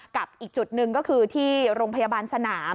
อีกจุดหนึ่งก็คือที่โรงพยาบาลสนาม